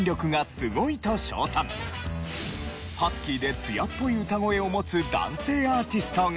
ハスキーで艶っぽい歌声を持つ男性アーティストが。